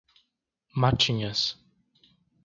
Matinhas